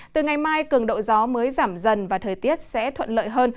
từ ngày mai cường độ gió mới giảm dần và thời tiết sẽ thuận lợi hơn